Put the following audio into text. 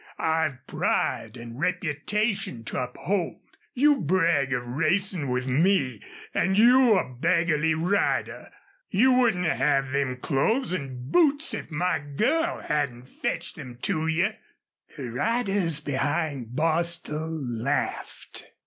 I've pride an' reputation to uphold. You brag of racin' with me an' you a beggarly rider! ... You wouldn't have them clothes an' boots if my girl hadn't fetched them to you." The riders behind Bostil laughed.